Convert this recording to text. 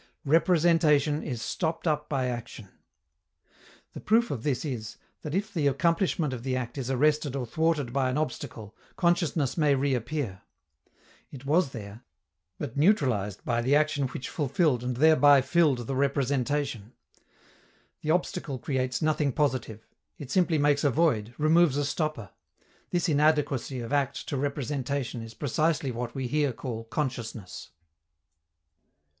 Representation is stopped up by action. The proof of this is, that if the accomplishment of the act is arrested or thwarted by an obstacle, consciousness may reappear. It was there, but neutralized by the action which fulfilled and thereby filled the representation. The obstacle creates nothing positive; it simply makes a void, removes a stopper. This inadequacy of act to representation is precisely what we here call consciousness.